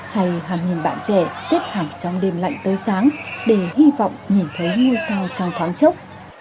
hay hàng nghìn bạn trẻ xếp hẳn trong đêm lạnh tới sáng để hy vọng nhìn thấy ngôi sao trong thoáng chốc